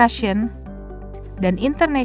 rafiq syar representasi v milan kejahatan lain